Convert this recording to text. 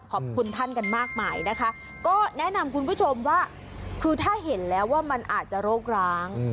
ขอบคุณท่านกันมากมายนะคะก็แนะนำคุณผู้ชมว่าคือถ้าเห็นแล้วว่ามันอาจจะโรคร้าง